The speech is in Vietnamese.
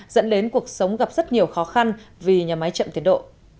dẫn đến cuộc sống gặp rất nhiều khó khăn vì nhà máy chậm tiến độ